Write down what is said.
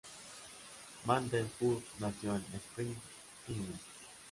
Mantle Hood nació en Springfield, Illinois.